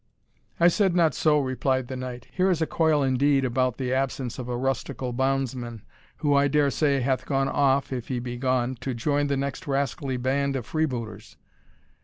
"I said not so," replied the knight. "Here is a coil indeed about the absence of a rustical bondsman, who, I dare say, hath gone off (if he be gone) to join the next rascally band of freebooters!